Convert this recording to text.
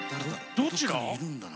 どちら？